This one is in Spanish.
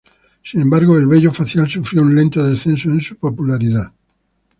Sin embargo, el vello facial sufrió un lento descenso en su popularidad.